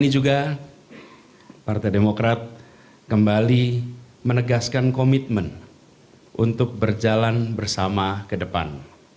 ini juga partai demokrat kembali menegaskan komitmen untuk berjalan bersama ke depan